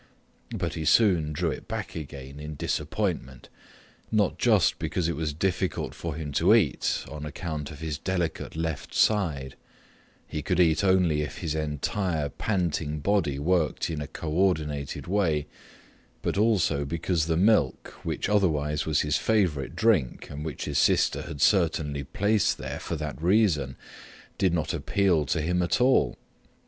But he soon drew it back again in disappointment, not just because it was difficult for him to eat on account of his delicate left side—he could eat only if his entire panting body worked in a coordinated way—but also because the milk, which otherwise was his favourite drink and which his sister had certainly placed there for that reason, did not appeal to him at all.